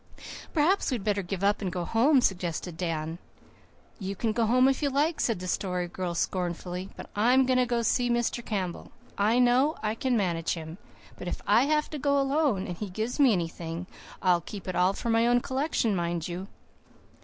"Perhaps we'd better give up and go home," suggested Dan. "You can go home if you like," said the Story Girl scornfully. "But I am going to see Mr. Campbell. I know I can manage him. But if I have to go alone, and he gives me anything, I'll keep it all for my own collection, mind you."